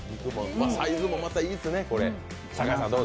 サイズもまたいいっすよねこれ。